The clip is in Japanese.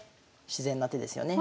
自然な手ですよね。